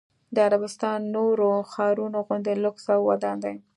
د عربستان نورو ښارونو غوندې لوکس او ودان دی.